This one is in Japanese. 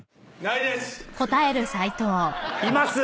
いますよ！